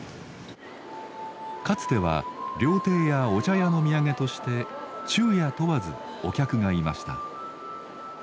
かつては料亭やお茶屋の土産として昼夜問わずお客がいました。